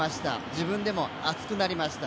自分でも熱くなりました。